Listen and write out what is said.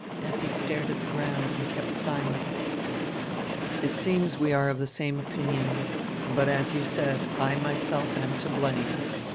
Effi stared at die ground and kept silent. "It seems we are of die same opinion. But, as you said, I myself am to blame.